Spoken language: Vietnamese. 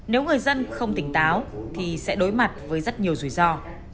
nếu người dân không tỉnh táo thì sẽ đối mặt với rất nhiều rủi ro